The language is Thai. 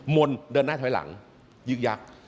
มนต์เดินหน้าถอยหลังยึกยักษ์